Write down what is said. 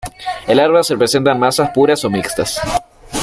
El árbol se presenta en masas puras o mixtas.